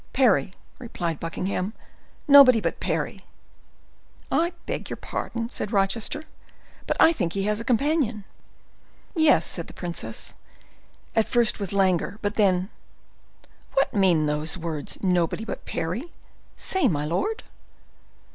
"Parry," replied Buckingham; "nobody but Parry." "I beg your pardon," said Rochester, "but I think he has a companion." "Yes," said the princess, at first with languor, but then,—"What mean those words, 'Nobody but Parry;' say, my lord?"